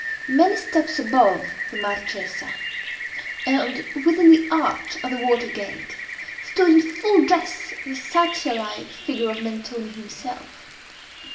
Many steps above the Marchesa, and within the arch of the water gate, stood, in full dress, the Satyr like figure of Mentoni himself.